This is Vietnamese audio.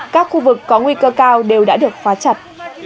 các khu vực có nguy cơ cao đều đã được phá chặt